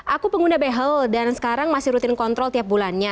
aku pengguna behel dan sekarang masih rutin kontrol tiap bulannya